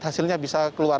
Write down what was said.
hasilnya bisa keluar